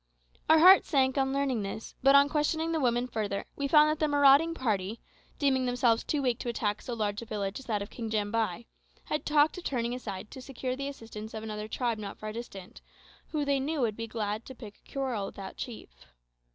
Our hearts sank on learning this; but on questioning the woman further, we found that the marauding party, deeming themselves too weak to attack so large a village as that of King Jambai, had talked of turning aside to secure the assistance of another tribe not far distant, who, they knew, would be too glad to pick a quarrel with that chief.